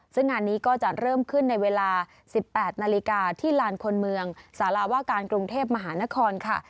ซึ่งงานนี้ก็จะเริ่มขึ้นในเวลา๑๘นาฬิกาที่ลานคนเมืองสาราว่าการกรุงเทพมหานครค่ะ